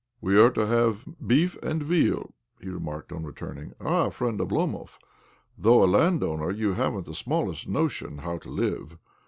" We are to have beef and veal," he remarked, on returning. " Ah, friend Oblomov, though a landowner, you haven't the smallest notion how to live.